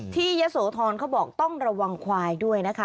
ยะโสธรเขาบอกต้องระวังควายด้วยนะคะ